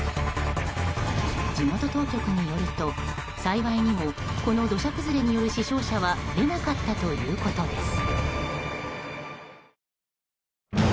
地元当局によると、幸いにもこの土砂崩れによる死傷者は出なかったということです。